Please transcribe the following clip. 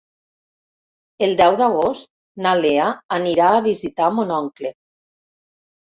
El deu d'agost na Lea anirà a visitar mon oncle.